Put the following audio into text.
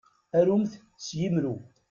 Arumt s yimru.